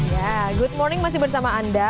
ya good morning masih bersama anda